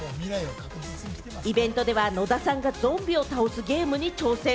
イベントでは、野田さんがゾンビを倒すゲームに挑戦。